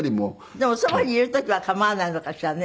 でもそばにいる時は構わないのかしらね？